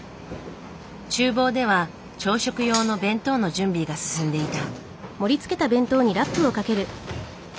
厨房では朝食用の弁当の準備が進んでいた。